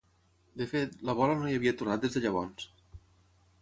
De fet, la bola no hi havia tornat des de llavors.